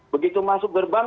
begitu masuk gerbang